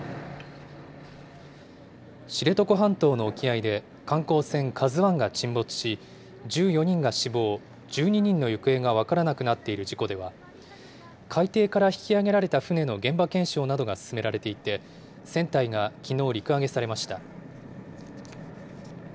知床半島の沖合で観光船ＫＡＺＵＩが沈没し、１４人が死亡、１２人の行方が分からなくなっている事故では、海底から引き揚げられた船の現場検証などが進められていて、船体がきのう陸揚げされました。